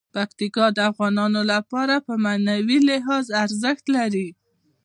پکتیکا د افغانانو لپاره په معنوي لحاظ ارزښت لري.